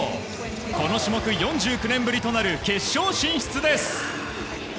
この種目４９年ぶりとなる決勝進出です。